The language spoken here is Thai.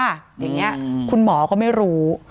อย่างนี้คุณหมอก็ไม่รู้